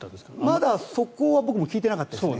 まだ、そこは僕も聞いていなかったですね。